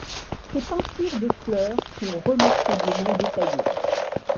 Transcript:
Ses peintures de fleurs sont remarquablement détaillées.